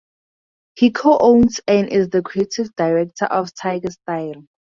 He co-owns and is the creative director of Tiger Style.